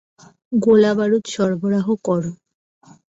গোলাবারুদ সরবরাহ কর!